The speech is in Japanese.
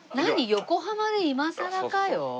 横浜で「今さらかよ」。